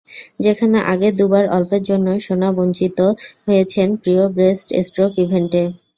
যেখানে আগের দুবার অল্পের জন্য সোনাবঞ্চিত হয়েছেন প্রিয় ব্রেস্ট স্ট্রোক ইভেন্টে।